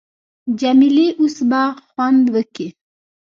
جمیلې اوس به خوند وکي.